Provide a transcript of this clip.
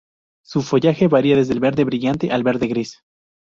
Su follaje varia desde el verde brillante al verde-gris.